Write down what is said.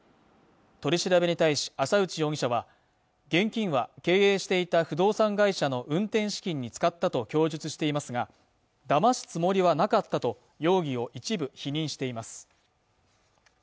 取り調べに対し浅内容疑者は現金は経営していた不動産会社の運転資金に使ったと供述していますがだますつもりはなかったと容疑を一部否認しています